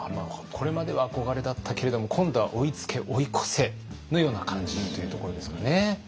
これまでは憧れだったけれども今度は追いつけ追い越せのような感じというところですかね。